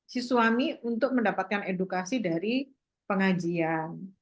si suami untuk mendapatkan edukasi dari pengajian